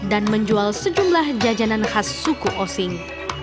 dan menjual sejumlah jajanan khas suku osing